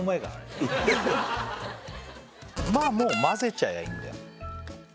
まあもう混ぜちゃやいいんだよ